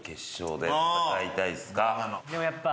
でもやっぱ。